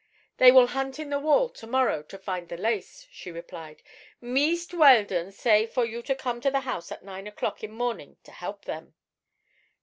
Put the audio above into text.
"They will hunt in the wall, to morrow, to find the lace," she replied. "Meest Weldon say for you to come to the house at nine o'clock, in morning, to help them."